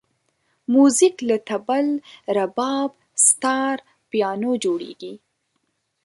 موزیک له طبل، رباب، ستار، پیانو جوړېږي.